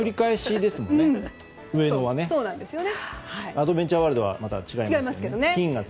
アドベンチャーワールドはまた違いますけどね。